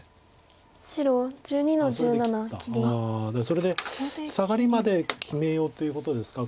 それでサガリまで決めようということですか。